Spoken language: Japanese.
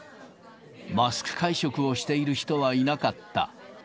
マスク会食をしている人はいなかった。